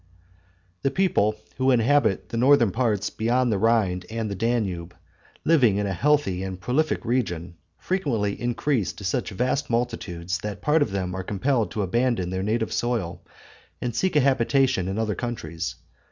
The people who inhabit the northern parts beyond the Rhine and the Danube, living in a healthy and prolific region, frequently increase to such vast multitudes that part of them are compelled to abandon their native soil, and seek a habitation in other countries.